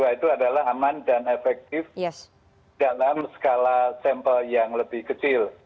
dua itu adalah aman dan efektif dalam skala sampel yang lebih kecil